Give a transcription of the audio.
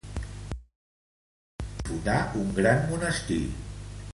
El Sant hi fundà un gran monestir.